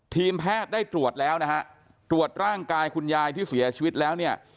ทีมแพทย์ได้ตรวจแล้วนะฮะตรวจร่างกายคุณยายที่เสียชีวิตแล้วเนี่ย